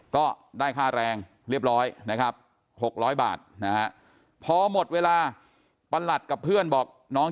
ก็ได้ค่าแรงเรียบร้อยนะครับ๖๐๐บาทนะฮะพอหมดเวลาประหลัดกับเพื่อนบอกน้อง